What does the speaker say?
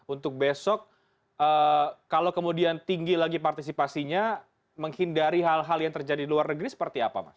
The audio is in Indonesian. untuk besok kalau kemudian tinggi lagi partisipasinya menghindari hal hal yang terjadi di luar negeri seperti apa mas